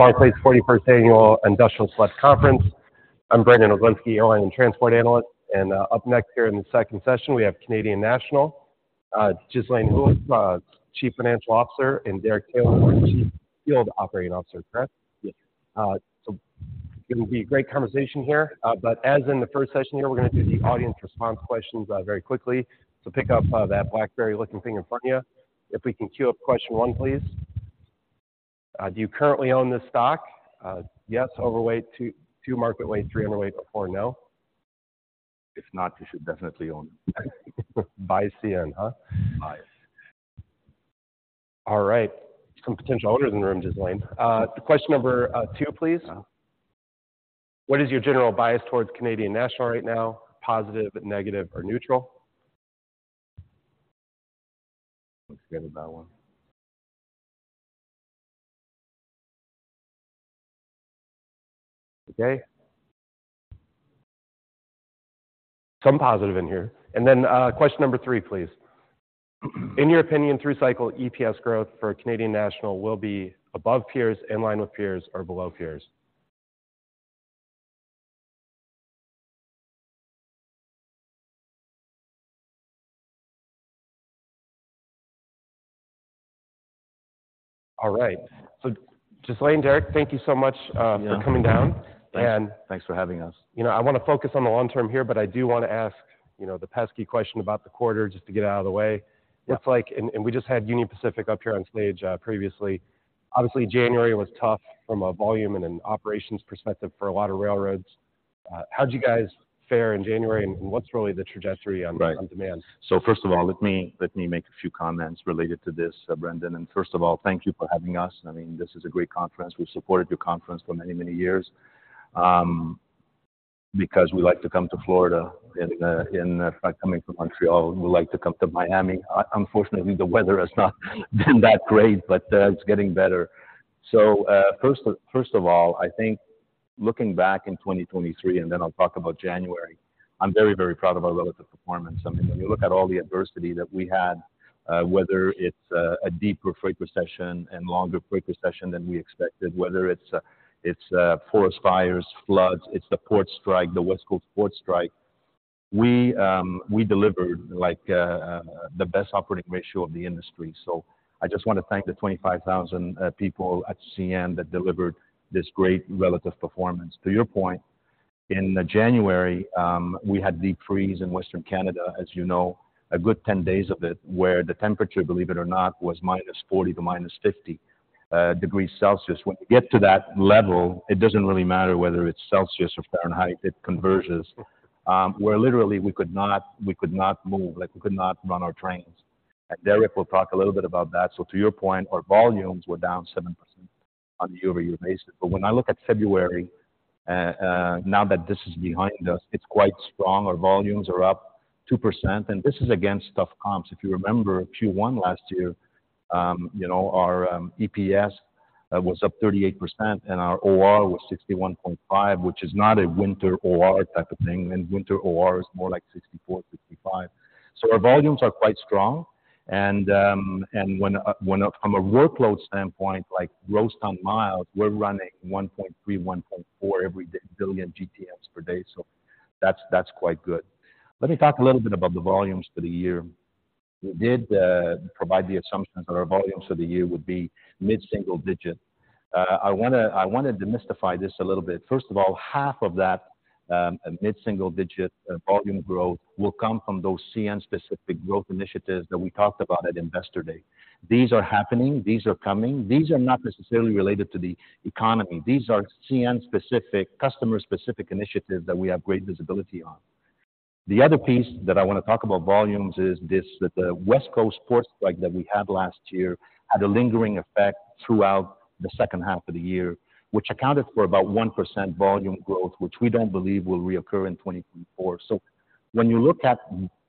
Barclays' 41st Annual Industrial Select Conference. I'm Brandon Oglenski, airline and transport analyst, and, up next here in the second session we have Canadian National, Ghislain Houle, Chief Financial Officer, and Derek Taylor, Chief Field Operating Officer, correct? Yes. So it's going to be a great conversation here, but as in the first session here, we're going to do the audience response questions very quickly, so pick up that blackberry-looking thing in front of you. If we can queue up question one, please. Do you currently own this stock? Yes, overweight, two, two market weight, three underweight, or four no? If not, you should definitely own it. Buy CN, huh? Buy it. All right. Some potential owners in the room, Ghislain. Question number two, please. Uh-huh. What is your general bias towards Canadian National right now? Positive, negative, or neutral? Looks good, that one. Okay. Some positive in here. Then, question number three, please. In your opinion, through-cycle EPS growth for Canadian National will be above peers, in line with peers, or below peers? All right. Ghislain, Derek, thank you so much for coming down. Yeah. Thanks. Thanks for having us. You know, I want to focus on the long-term here, but I do want to ask, you know, the pesky question about the quarter just to get out of the way. It's like, we just had Union Pacific up here on stage, previously. Obviously, January was tough from a volume and an operations perspective for a lot of railroads. How'd you guys fare in January, and what's really the trajectory on demand? Right. So first of all, let me make a few comments related to this, Brandon. And first of all, thank you for having us. I mean, this is a great conference. We've supported your conference for many, many years, because we like to come to Florida in coming from Montreal. We like to come to Miami. Unfortunately, the weather has not been that great, but it's getting better. So first of all, I think looking back in 2023, and then I'll talk about January, I'm very, very proud of our relative performance. I mean, when you look at all the adversity that we had, whether it's a deeper freight recession and longer freight recession than we expected, whether it's forest fires, floods, it's the port strike, the West Coast port strike, we delivered, like, the best operating ratio of the industry. So I just want to thank the 25,000 people at CN that delivered this great relative performance. To your point, in January, we had deep freeze in Western Canada, as you know, a good 10 days of it, where the temperature, believe it or not, was -40 to -50 degrees Celsius. When you get to that level, it doesn't really matter whether it's Celsius or Fahrenheit, it converges, where literally we could not move, like, we could not run our trains. And Derek will talk a little bit about that. So to your point, our volumes were down 7% on a year-over-year basis. But when I look at February, now that this is behind us, it's quite strong. Our volumes are up 2%. And this is against tough comps. If you remember Q1 last year, you know, our EPS was up 38%, and our OR was 61.5, which is not a winter OR type of thing. And winter OR is more like 64, 65. So our volumes are quite strong. And when from a workload standpoint, like, gross-ton miles, we're running 1.3-1.4 billion GTMs per day. So that's quite good. Let me talk a little bit about the volumes for the year. We did provide the assumptions that our volumes for the year would be mid-single digit. I want to demystify this a little bit. First of all, half of that, mid-single digit, volume growth will come from those CN-specific growth initiatives that we talked about at Investor Day. These are happening. These are coming. These are not necessarily related to the economy. These are CN-specific, customer-specific initiatives that we have great visibility on. The other piece that I want to talk about volumes is this: that the West Coast port strike that we had last year had a lingering effect throughout the second half of the year, which accounted for about 1% volume growth, which we don't believe will reoccur in 2024. So when you look at,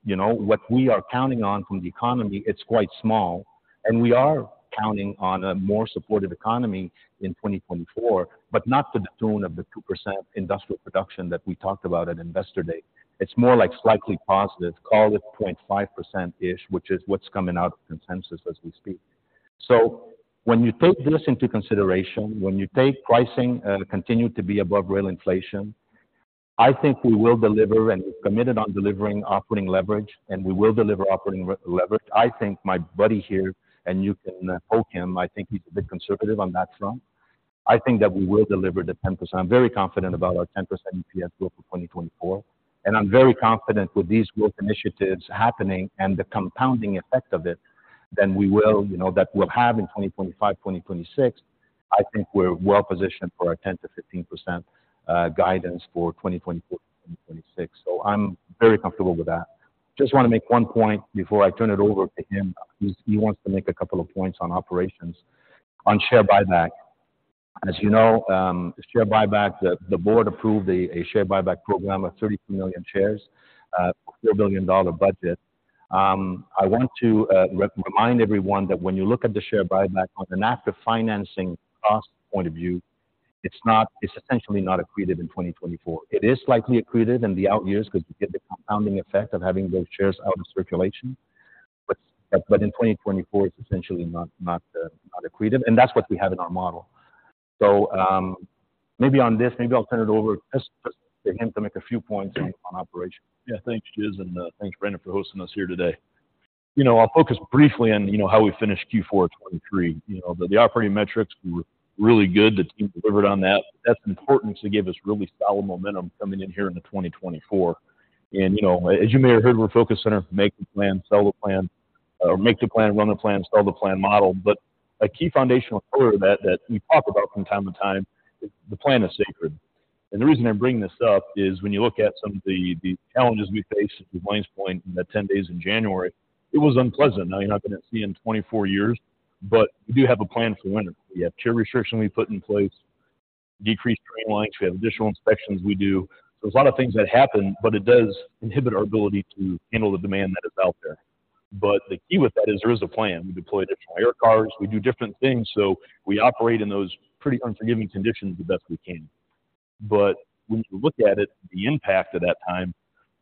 you know, what we are counting on from the economy, it's quite small. And we are counting on a more supportive economy in 2024, but not to the tune of the 2% industrial production that we talked about at Investor Day. It's more like slightly positive, call it 0.5%-ish, which is what's coming out of consensus as we speak. So when you take this into consideration, when you take pricing, continued to be above rail inflation, I think we will deliver, and we've committed on delivering operating leverage, and we will deliver operating leverage. I think my buddy here, and you can, poke him, I think he's a bit conservative on that front. I think that we will deliver the 10%. I'm very confident about our 10% EPS growth for 2024. And I'm very confident with these growth initiatives happening and the compounding effect of it, then we will, you know, that we'll have in 2025, 2026, I think we're well positioned for our 10%-15% guidance for 2024, 2026. So I'm very comfortable with that. Just want to make one point before I turn it over to him. He's he wants to make a couple of points on operations, on share buyback. As you know, the board approved a share buyback program of 32 million shares, 4 billion dollar budget. I want to remind everyone that when you look at the share buyback from an after-financing cost point of view, it's essentially not accretive in 2024. It is slightly accretive in the out years because you get the compounding effect of having those shares out of circulation. But in 2024, it's essentially not accretive. And that's what we have in our model. So, maybe on this, maybe I'll turn it over just to him to make a few points on operations. Yeah, thanks, Ghislain. Thanks, Brandon, for hosting us here today. You know, I'll focus briefly on, you know, how we finished Q4 2023. You know, the operating metrics, we were really good. The team delivered on that. That's important because it gave us really solid momentum coming in here into 2024. And, you know, as you may have heard, we're focused on make the plan, sell the plan, or make the plan, run the plan, sell the plan model. But a key foundational pillar of that, that we talk about from time to time, is the plan is sacred. And the reason I'm bringing this up is when you look at some of the challenges we faced, to Ghislain's point, in the 10 days in January, it was unpleasant. Now, you're not going to see in 24 years. But we do have a plan for winter. We have tier restriction we put in place, decreased train lines. We have additional inspections we do. So there's a lot of things that happen, but it does inhibit our ability to handle the demand that is out there. The key with that is there is a plan. We deploy additional air cars. We do different things. So we operate in those pretty unforgiving conditions the best we can. When you look at it, the impact of that time,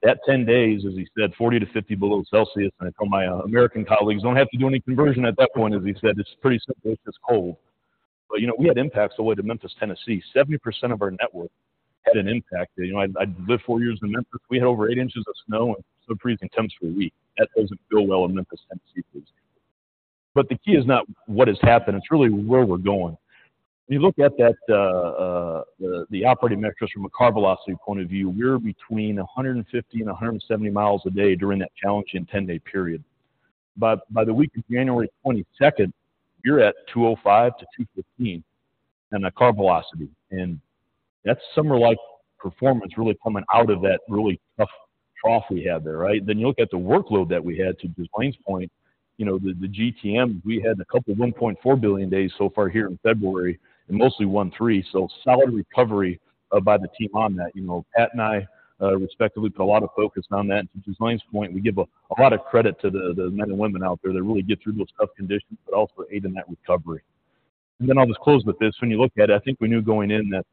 that 10 days, as he said, 40-50 below Celsius. I told my American colleagues, "Don't have to do any conversion at that point," as he said. It's pretty simple. It's just cold. You know, we had impacts all the way to Memphis, Tennessee. 70% of our network had an impact. You know, I lived four years in Memphis. We had over 8 inches of snow and subfreezing temps for a week. That doesn't feel well in Memphis, Tennessee, for example. But the key is not what has happened. It's really where we're going. When you look at that, the operating metrics from a car velocity point of view, we're between 150-170 miles a day during that challenging 10-day period. But by the week of January 22nd, you're at 205-215 in car velocity. And that's summer-like performance really coming out of that really tough trough we had there, right? Then you look at the workload that we had, to Ghislain's point, you know, the GTMs, we had a couple 1.4 billion days so far here in February and mostly 1.3. So solid recovery by the team on that. You know, Pat and I, respectively, put a lot of focus on that. To Ghislain's point, we give a lot of credit to the men and women out there that really get through those tough conditions but also aid in that recovery. Then I'll just close with this. When you look at it, I think we knew going in that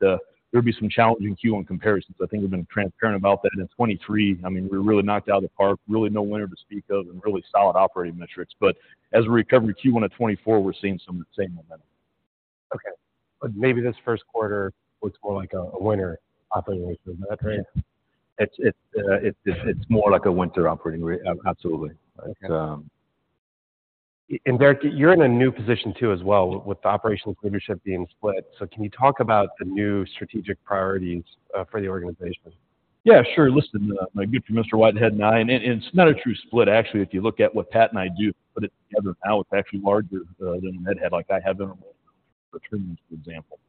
there'd be some challenging Q1 comparisons. I think we've been transparent about that. In 2023, I mean, we were really knocked out of the park, really no winter to speak of, and really solid operating metrics. But as we recovered Q1 of 2024, we're seeing some of the same momentum. Okay. But maybe this first quarter looks more like a winter operating ratio. Is that right? Yeah. It's more like a winter operating rate. Absolutely. It's, Derek, you're in a new position too as well, with the operations leadership being split. So can you talk about the new strategic priorities for the organization? Yeah, sure. Listen, my good friend Mr. Whitehead and I. And it's not a true split, actually, if you look at what Pat and I do. Put it together, now it's actually larger than Whitehead, like I have intermodal freight, for example.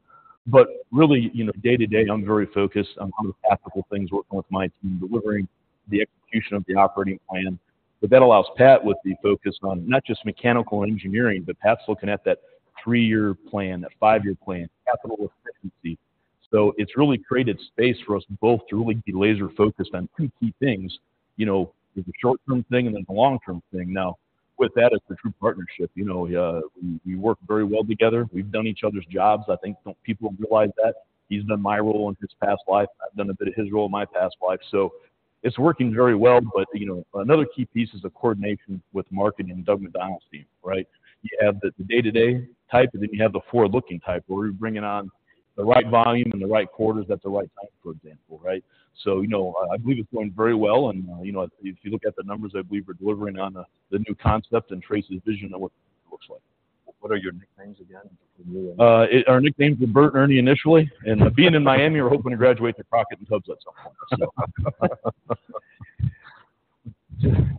But really, you know, day to day, I'm very focused on all the tactical things, working with my team, delivering the execution of the operating plan. But that allows Pat, with the focus on not just mechanical and engineering, but Pat's looking at that three-year plan, that five-year plan, capital efficiency. So it's really created space for us both to really be laser-focused on two key things, you know, there's a short-term thing and there's a long-term thing. Now, with that, it's a true partnership. You know, we work very well together. We've done each other's jobs. I think people don't realize that? He's done my role in his past life. I've done a bit of his role in my past life. So it's working very well. But, you know, another key piece is the coordination with marketing and Doug MacDonald's team, right? You have the day-to-day type, and then you have the forward-looking type, where we're bringing on the right volume in the right quarters at the right time, for example, right? So, you know, I believe it's going very well. And, you know, if you look at the numbers, I believe we're delivering on the new concept and Tracy's vision of what it looks like. What are your nicknames again? Our nicknames are Burt and Ernie initially. Being in Miami, we're hoping to graduate to Crockett and Tubbs at some point, so.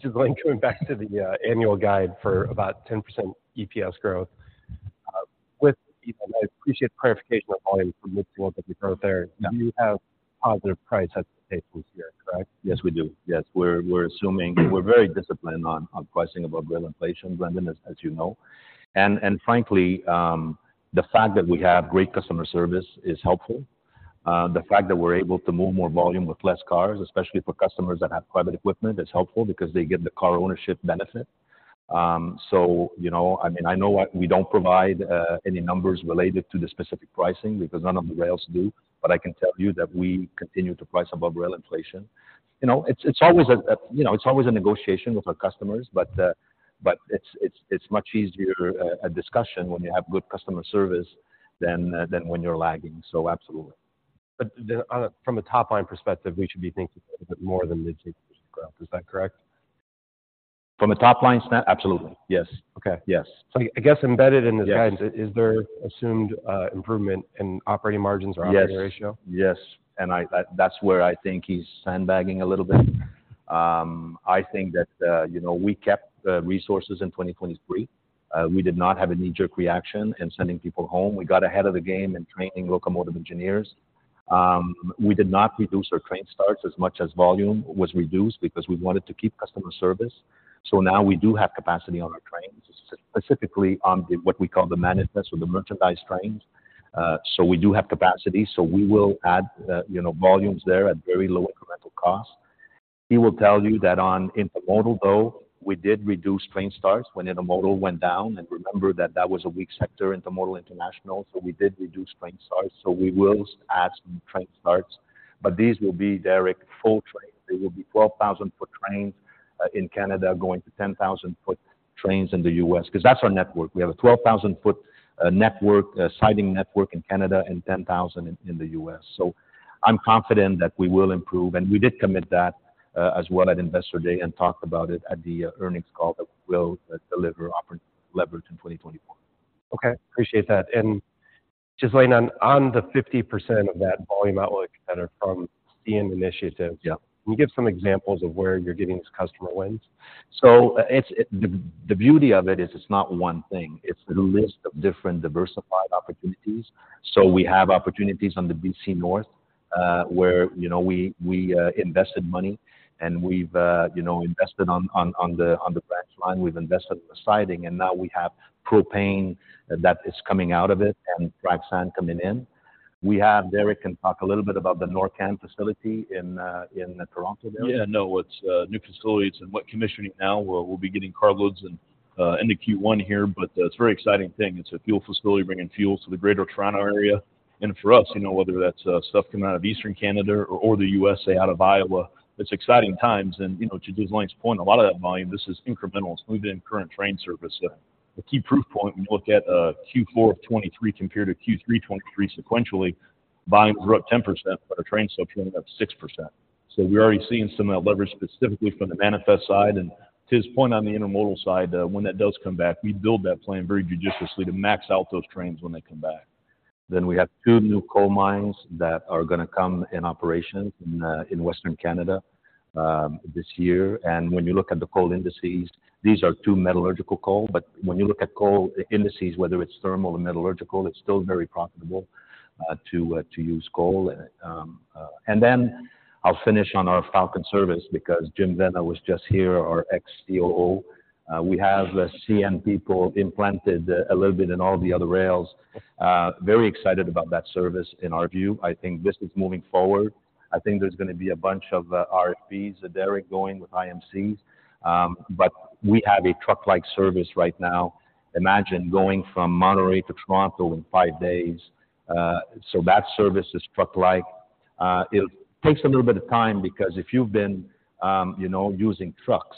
Ghislain, coming back to the annual guide for about 10% EPS growth, with, you know, I appreciate the clarification on volume for mid-single-digit growth there. Do you have positive price expectations here, correct? Yes, we do. Yes. We're assuming we're very disciplined on pricing above rail inflation, Brandon, as you know. And frankly, the fact that we have great customer service is helpful. The fact that we're able to move more volume with less cars, especially for customers that have private equipment, is helpful because they get the car ownership benefit. So, you know, I mean, I know we don't provide any numbers related to the specific pricing because none of the rails do. But I can tell you that we continue to price above rail inflation. You know, it's always a you know, it's always a negotiation with our customers. But it's much easier, a discussion when you have good customer service than when you're lagging. So absolutely. But from a top-line perspective, we should be thinking a little bit more than mid-single digit growth. Is that correct? From a top-line snap, absolutely. Yes. Okay. Yes. So, I guess embedded in this guidance, is there assumed improvement in operating margins or operating ratio? Yes. Yes. And that's where I think he's sandbagging a little bit. I think that, you know, we kept resources in 2023. We did not have a knee-jerk reaction in sending people home. We got ahead of the game in training locomotive engineers. We did not reduce our train starts as much as volume was reduced because we wanted to keep customer service. So now we do have capacity on our trains, specifically on what we call the Manifest or the Merchandise trains. So we do have capacity. So we will add, you know, volumes there at very low incremental costs. He will tell you that on Intermodal, though, we did reduce train starts when Intermodal went down. And remember that that was a weak sector, Intermodal international. So we did reduce train starts. So we will add some train starts. But these will be, Derek, full trains. They will be 12,000-foot trains in Canada going to 10,000-foot trains in the US because that's our network. We have a 12,000-foot network, siding network in Canada and 10,000 in the US. So I'm confident that we will improve. And we did commit that, as well at Investor Day and talked about it at the earnings call that we will deliver operative leverage in 2024. Okay. Appreciate that. And, Ghislain, on, on the 50% of that volume outlook that are from CN initiatives. Yeah. Can you give some examples of where you're getting these customer wins? So, it's the beauty of it is it's not one thing. It's a list of different diversified opportunities. So we have opportunities on the BC North, where, you know, we invested money. And we've, you know, invested on the branch line. We've invested in the siding. And now we have propane that is coming out of it and frac sand coming in. We have Derek can talk a little bit about the Norcan facility in Toronto there. Yeah. No, it's new facilities and wet commissioning now. We'll be getting cargoes and into Q1 here. But it's a very exciting thing. It's a fuel facility bringing fuel to the greater Toronto area. And for us, you know, whether that's stuff coming out of Eastern Canada or the US, say, out of Iowa, it's exciting times. And you know, to Ghislain's point, a lot of that volume, this is incremental. It's moved in current train service. A key proof point, when you look at Q4 of 2023 compared to Q3 2023 sequentially, volume is up 10%, but our train stock's running up 6%. So we're already seeing some of that leverage specifically from the manifest side. And to his point on the intermodal side, when that does come back, we build that plan very judiciously to max out those trains when they come back. Then we have two new coal mines that are going to come in operation in Western Canada this year. And when you look at the coal indices, these are two metallurgical coal. But when you look at coal indices, whether it's thermal or metallurgical, it's still very profitable to use coal. And then I'll finish on our Falcon service because Jim Vena was just here, our ex-COO. We have CN people implanted a little bit in all the other rails. Very excited about that service, in our view. I think this is moving forward. I think there's going to be a bunch of RFPs, Derek, going with IMCs. But we have a truck-like service right now. Imagine going from Monterrey to Toronto in five days. So that service is truck-like. It takes a little bit of time because if you've been, you know, using trucks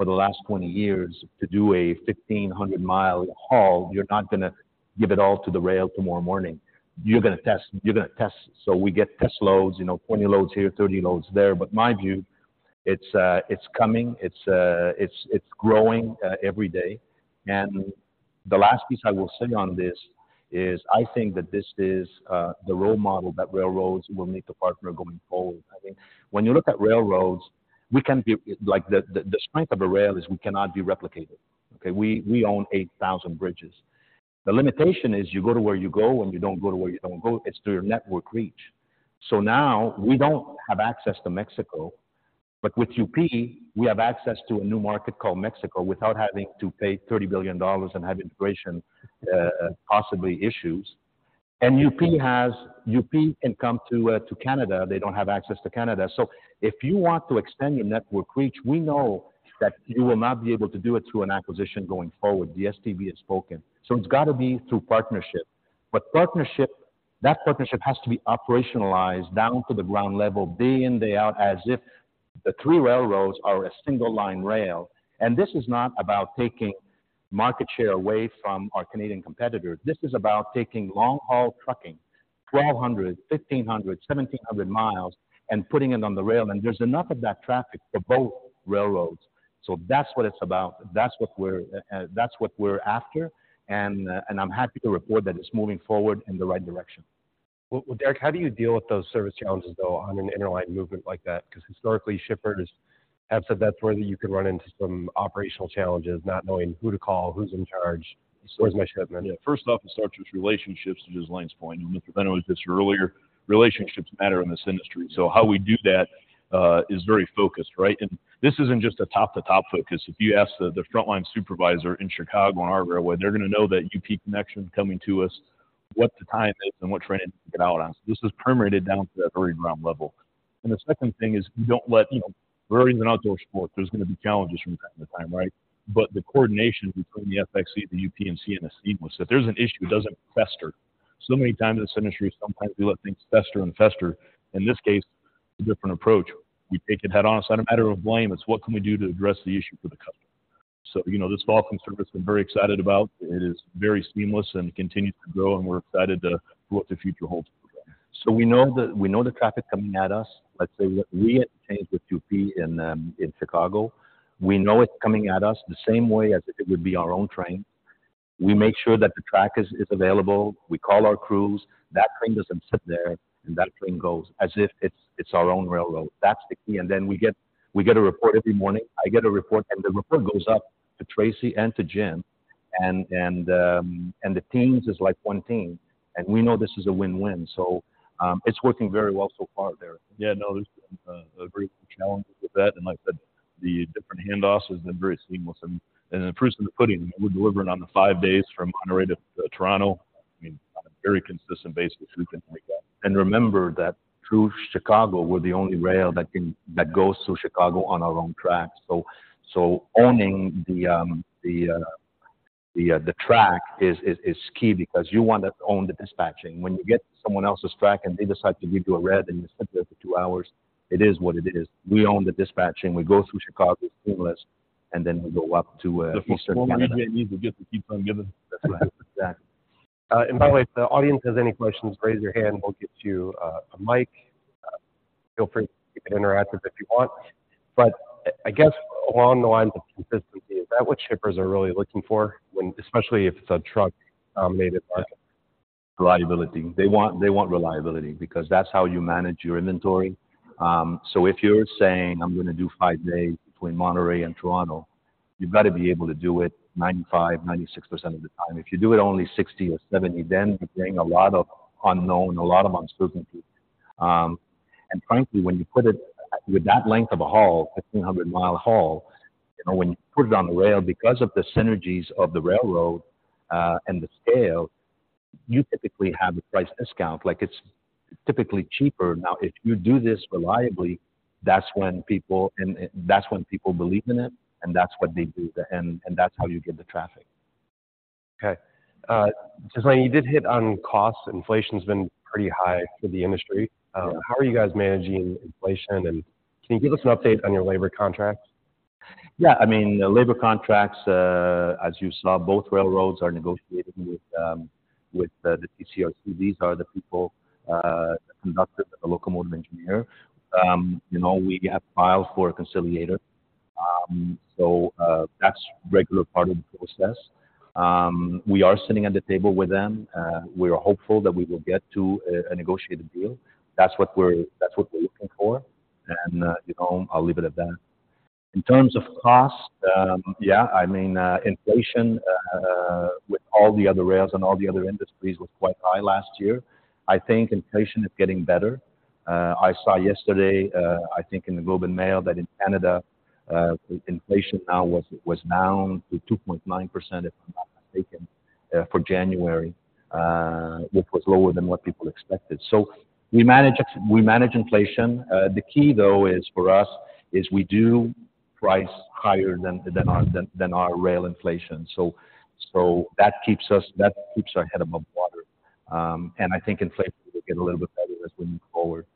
for the last 20 years to do a 1,500-mile haul, you're not going to give it all to the rail tomorrow morning. You're going to test. You're going to test. So we get test loads, you know, 20 loads here, 30 loads there. But my view, it's, it's, it's growing, every day. And the last piece I will say on this is I think that this is, the role model that railroads will need to partner going forward. I think when you look at railroads, we can be like, the, the, the strength of a rail is we cannot be replicated, okay? We, we own 8,000 bridges. The limitation is you go to where you go, and you don't go to where you don't go. It's through your network reach. So now we don't have access to Mexico. But with UP, we have access to a new market called Mexico without having to pay $30 billion and have integration, possibly issues. And UP has UP can come to, to Canada. They don't have access to Canada. So if you want to extend your network reach, we know that you will not be able to do it through an acquisition going forward. The STB has spoken. So it's got to be through partnership. But partnership, that partnership has to be operationalized down to the ground level, day in, day out, as if the three railroads are a single-line rail. And this is not about taking market share away from our Canadian competitors. This is about taking long-haul trucking, 1,200, 1,500, 1,700 miles, and putting it on the rail. And there's enough of that traffic for both railroads. So that's what it's about. That's what we're after. And I'm happy to report that it's moving forward in the right direction. Well, well, Derek, how do you deal with those service challenges, though, on an interline movement like that? Because historically, shippers have said that's where you can run into some operational challenges, not knowing who to call, who's in charge, where's my shipment. Yeah. First off, it starts with relationships, to Ghislain's point. Mr. Vena was just here earlier. Relationships matter in this industry. So how we do that is very focused, right? This isn't just a top-to-top focus. If you ask the frontline supervisor in Chicago on our railway, they're going to know that UP connection coming to us, what the time is, and what train to take it out on. So this is permeated down to that very ground level. The second thing is we don't let, you know, railroads and handoffs, there's going to be challenges from time to time, right? But the coordination between the FXE, the UP, and CN is that there's an issue, it doesn't fester. So many times in this industry, sometimes we let things fester and fester. In this case, a different approach. We take it head-on aside a matter of blame. It's what can we do to address the issue for the customer? So, you know, this Falcon service I'm very excited about. It is very seamless and continues to grow. And we're excited to for what the future holds for them. So we know the traffic coming at us. Let's say we get a change with UP in Chicago. We know it's coming at us the same way as if it would be our own train. We make sure that the track is available. We call our crews. That train doesn't sit there. And that train goes as if it's our own railroad. That's the key. And then we get a report every morning. I get a report. And the report goes up to Tracy and to Jim. And the teams is like one team. And we know this is a win-win. So, it's working very well so far, Derek. Yeah. No, there's been very good challenges with that. And like I said, the different handoffs have been very seamless. And the fruit's in the pudding. I mean, we're delivering on the five days from Monterrey to Toronto. I mean, on a very consistent basis, we've been doing that. Remember that through Chicago, we're the only rail that goes through Chicago on our own tracks. So owning the track is key because you want to own the dispatching. When you get someone else's track and they decide to give you a red and you sit there for two hours, it is what it is. We own the dispatching. We go through Chicago. It's seamless. And then we go up to Eastern Canada. The former EJ&E keeps on giving. That's right. Exactly. And by the way, if the audience has any questions, raise your hand. We'll get you a mic. Feel free to keep it interactive if you want. But I guess along the lines of consistency, is that what shippers are really looking for when, especially if it's a truck-denominated market? Reliability. They want they want reliability because that's how you manage your inventory. So if you're saying, "I'm going to do 5 days between Monterrey and Toronto," you've got to be able to do it 95%-96% of the time. If you do it only 60% or 70%, then you bring a lot of unknown, a lot of uncertainty. And frankly, when you put it with that length of a haul, 1,500-mile haul, you know, when you put it on the rail, because of the synergies of the railroad, and the scale, you typically have a price discount. Like, it's typically cheaper. Now, if you do this reliably, that's when people and, and that's when people believe in it. And that's what they do. And, and that's how you get the traffic. Okay. Ghislain, you did hit on costs. Inflation's been pretty high for the industry. How are you guys managing inflation? And can you give us an update on your labor contracts? Yeah. I mean, the labor contracts, as you saw, both railroads are negotiating with the TCRC. These are the people, the conductor and the locomotive engineer. You know, we have filed for a conciliator. That's a regular part of the process. We are sitting at the table with them. We are hopeful that we will get to a negotiated deal. That's what we're looking for. You know, I'll leave it at that. In terms of costs, yeah. I mean, inflation, with all the other rails and all the other industries was quite high last year. I think inflation is getting better. I saw yesterday, I think in the Globe and Mail that in Canada, inflation now was down to 2.9%, for January, which was lower than what people expected. We manage inflation. The key, though, is for us, we price higher than our rail inflation. So, that keeps our head above water. And I think inflation will get a little bit better as we move forward.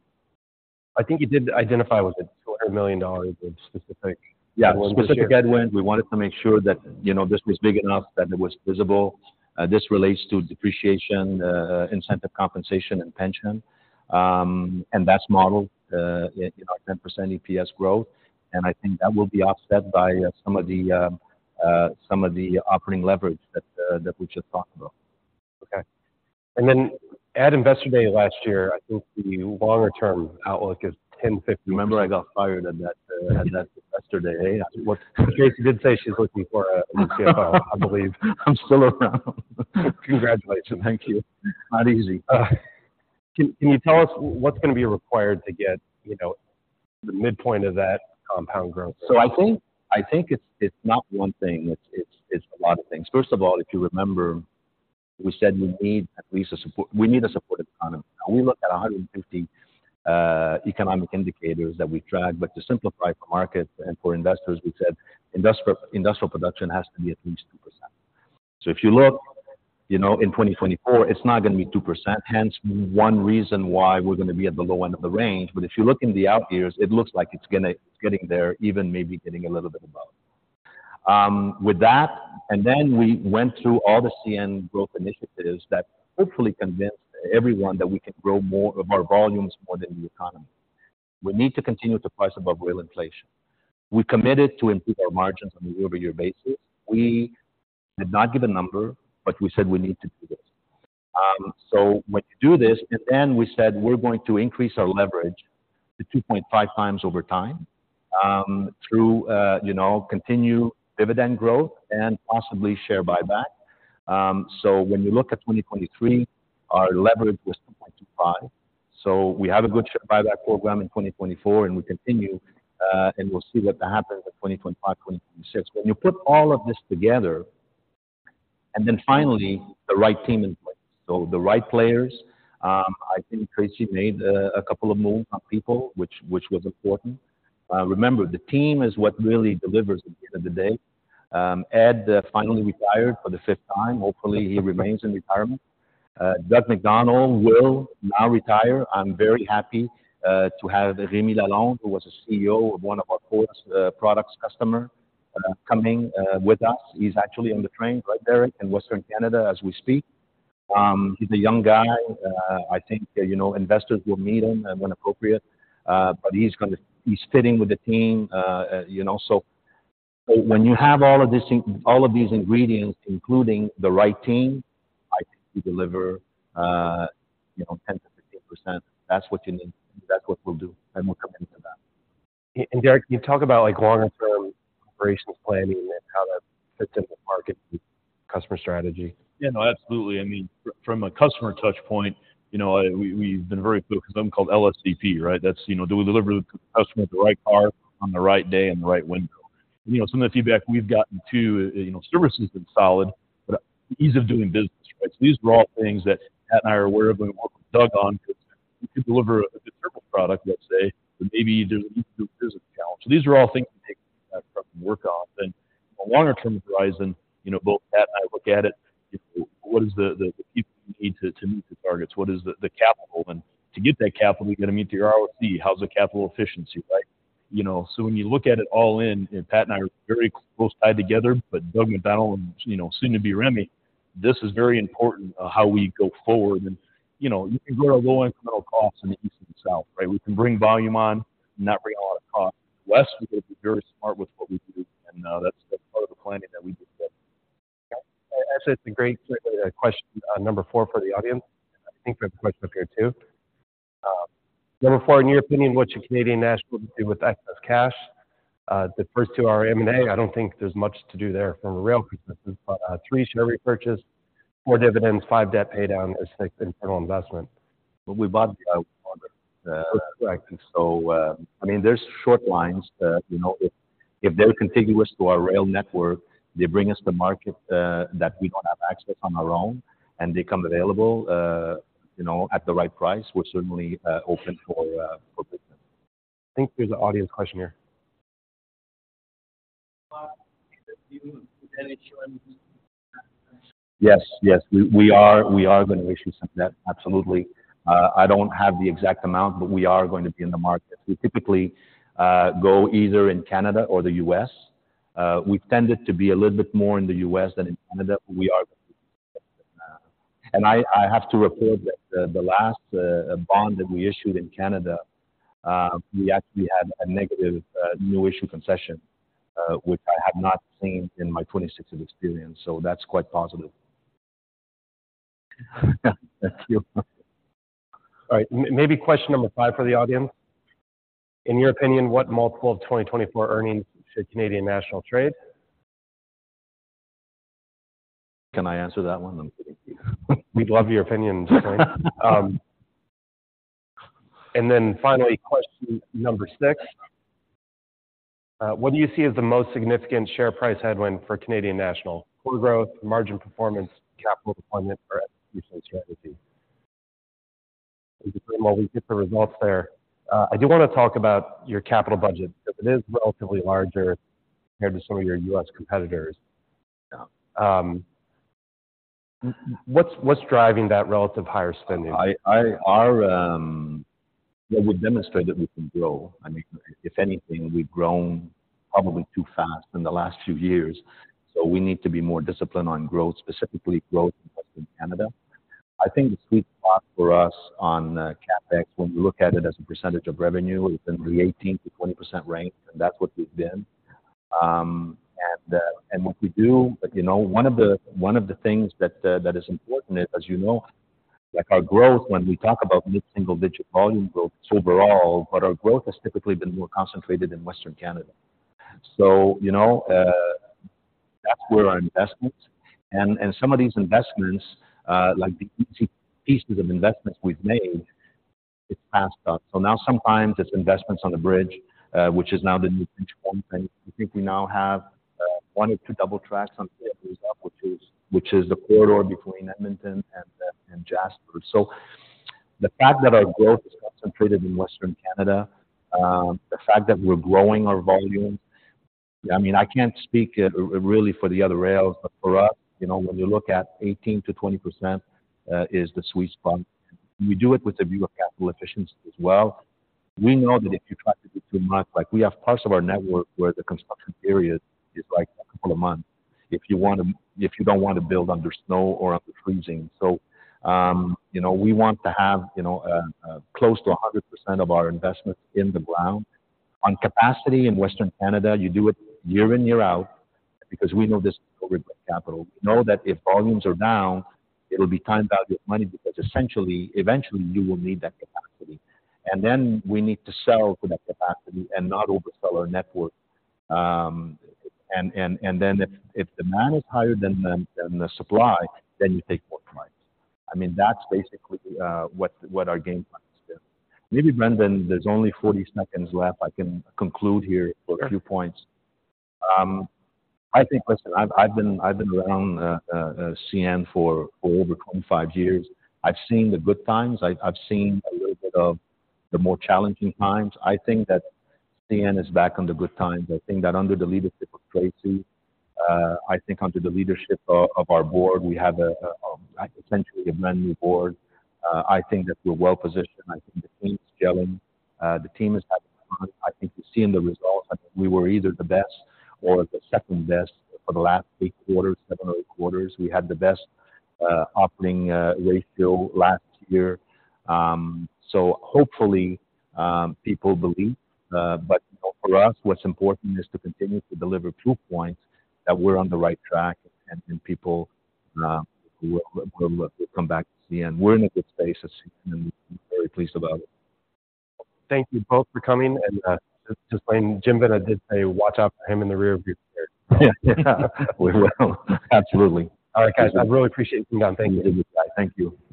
I think you did identify with it, $200 million of specific headwinds. Yeah. Specific headwinds. We wanted to make sure that, you know, this was big enough, that it was visible. This relates to depreciation, incentive compensation, and pension. And that's modeled in our 10% EPS growth. And I think that will be offset by some of the operating leverage that we just talked about. Okay. And then at Investor Day last year, I think the longer-term outlook is 10%-15%. Remember, I got fired at that yesterday. Hey, what Tracy did say, she's looking for a CFO, I believe. I'm still around. Congratulations. Thank you. Not easy. Can you tell us what's going to be required to get, you know, the midpoint of that compound growth? So I think it's not one thing. It's a lot of things. First of all, if you remember, we said we need at least a supportive economy. Now, we look at 150 economic indicators that we track. But to simplify for markets and for investors, we said industrial production has to be at least 2%. So if you look, you know, in 2024, it's not going to be 2%. Hence, one reason why we're going to be at the low end of the range. But if you look in the out years, it looks like it's going to get there, even maybe getting a little bit above. With that, and then we went through all the CN growth initiatives that hopefully convinced everyone that we can grow more of our volumes more than the economy. We need to continue to price above real inflation. We committed to improve our margins on the year-over-year basis. We did not give a number, but we said we need to do this. So when you do this and then we said we're going to increase our leverage to 2.5 times over time, through, you know, continue dividend growth and possibly share buyback. So when you look at 2023, our leverage was 2.25. So we have a good share buyback program in 2024. And we continue, and we'll see what happens in 2025, 2026. When you put all of this together and then finally the right team in place, so the right players, I think Tracy made a couple of moves on people, which was important. Remember, the team is what really delivers at the end of the day. Ed finally retired for the fifth time. Hopefully, he remains in retirement. Doug MacDonald will now retire. I'm very happy to have Remi Lalonde, who was a CEO of one of our forest products customer, coming with us. He's actually on the train, right, Derek, in Western Canada as we speak. He's a young guy. I think, you know, investors will meet him when appropriate. But he's going to he's fitting with the team, you know. So when you have all of this all of these ingredients, including the right team, I think you deliver, you know, 10%-15%. That's what you need. That's what we'll do. And we'll come into that. And Derek, you talk about, like, longer-term operations planning and how that fits into market and customer strategy. Yeah. No, absolutely. I mean, from a customer touchpoint, you know, we, we've been very focused. It's called LSOP, right? That's, you know, do we deliver to the customer the right car on the right day and the right window? And, you know, some of the feedback we've gotten too, you know, service has been solid, but ease of doing business, right? So these are all things that Pat and I are aware of and we work with Doug on because we could deliver a good service product, let's say, but maybe there's an ease of doing business challenge. So these are all things we take from work off. And on a longer-term horizon, you know, both Pat and I look at it, you know, what is the people we need to meet the targets? What is the capital? And to get that capital, you got to meet the ROC. How's the capital efficiency, right? You know, so when you look at it all in, and Pat and I are very close tied together, but Doug MacDonald and, you know, soon to be Remi, this is very important, how we go forward. You know, you can grow our low incremental costs in the east and the south, right? We can bring volume on and not bring a lot of cost. In the west, we're going to be very smart with what we do. That's part of the planning that we did today. Okay. I'd say it's a great question, number four for the audience. I think we have a question up here, too. Number four, in your opinion, what should Canadian National do with excess cash? The first two are M&A. I don't think there's much to do there from a rail perspective. But three, share repurchase, four, dividends, five, debt paydown, is, like, internal investment. We bought the Iowa Northern. That's correct. I mean, there are short lines. You know, if they're contiguous to our rail network, they bring us to market that we don't have access on our own, and they come available, you know, at the right price, we're certainly open for business. I think there's an audience question here. Yes. Yes. We are going to issue some debt. Absolutely. I don't have the exact amount, but we are going to be in the markets. We typically go either in Canada or the U.S. We've tended to be a little bit more in the U.S. than in Canada. We are going to be in the U.S. And I have to report that the last bond that we issued in Canada, we actually had a negative new issue concession, which I have not seen in my 26 years of experience. So that's quite positive. Yeah. Thank you. All right. Maybe question number five for the audience. In your opinion, what multiple of 2024 earnings should Canadian National trade? Can I answer that one? I'm kidding you. We'd love your opinion, Ghislain. And then finally, question number six. What do you see as the most significant share price headwind for Canadian National? Core growth, margin performance, capital deployment, or execution strategy? And Ghislain, while we get the results there, I do want to talk about your capital budget because it is relatively larger compared to some of your US competitors. Yeah. What's driving that relative higher spending? Our, well, we've demonstrated we can grow. I mean, if anything, we've grown probably too fast in the last few years. So we need to be more disciplined on growth, specifically growth in Western Canada. I think the sweet spot for us on CapEx, when you look at it as a percentage of revenue, it's in the 18%-20% range. And that's what we've been. And what we do, you know, one of the things that is important is, as you know, like, our growth, when we talk about mid-single-digit volume growth, it's overall. But our growth has typically been more concentrated in Western Canada. So, you know, that's where our investments. And some of these investments, like the easy pieces of investments we've made, it's passed on. So now sometimes it's investments on the bridge, which is now the new benchpoint. And I think we now have one or two double tracks on the way up, which is the corridor between Edmonton and Jasper. So the fact that our growth is concentrated in Western Canada, the fact that we're growing our volumes, yeah, I mean, I can't speak really for the other rails. But for us, you know, when you look at 18%-20%, is the sweet spot. We do it with a view of capital efficiency as well. We know that if you try to do too much, like, we have parts of our network where the construction period is, like, a couple of months if you don't want to build under snow or under freezing. So, you know, we want to have, you know, close to 100% of our investments in the ground. On capacity in Western Canada, you do it year in, year out because we know this is overbooked capital. We know that if volumes are down, it'll be time value of money because essentially, eventually, you will need that capacity. And then we need to sell to that capacity and not oversell our network. And then if demand is higher than the supply, then you take more flights. I mean, that's basically what's our game plan has been. Maybe, Brandon, there's only 40 seconds left. I can conclude here for a few points. I think, listen, I've been around CN for over 25 years. I've seen the good times. I've seen a little bit of the more challenging times. I think that CN is back on the good times. I think that under the leadership of Tracy, I think under the leadership of our board, we have essentially a brand new board. I think that we're well positioned. I think the team is gelling. The team is having fun. I think you see in the results, I mean, we were either the best or the second best for the last eight quarters, seven or eight quarters. We had the best Operating Ratio last year. So hopefully, people believe. But, you know, for us, what's important is to continue to deliver proof points that we're on the right track. And people will come back to CN. We're in a good space at CN. And we're very pleased about it. Thank you both for coming. Ghislain, Jim Vena did say, "Watch out for him in the rear of your chair. Yeah. We will. Absolutely. All right, guys. I really appreciate you coming on. Thank you. You did a good job. Thank you.